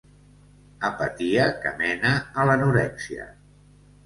Apatia que mena a l'anorèxia.